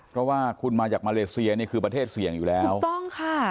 เพราะว่าคุณมาจากมาเลเซียนี่คือประเทศเสี่ยงอยู่แล้วถูกต้องค่ะ